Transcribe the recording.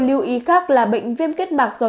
lưu ý khác là bệnh viêm kết mạc do